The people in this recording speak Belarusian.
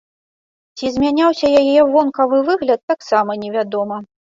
Ці змяняўся яе вонкавы выгляд, таксама невядома.